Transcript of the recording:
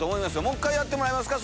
もう１回やってもらいますか？